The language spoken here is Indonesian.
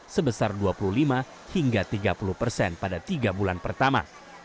sebesar dua puluh lima hingga tiga puluh persen pada tiga bulan pertama